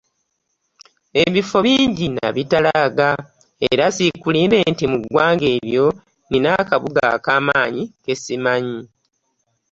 Ebifo bingi nabitalaaga era siikulimbe nti mu ggwanga eryo, nnina akabuga ak'amaanyi ke simanyi.